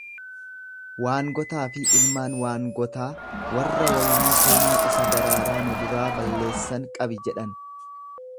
Waangotaa fi ilmaan waangotaa warra waynii keenya isa daraaraa nu duraa balleessan qabi! jedhan.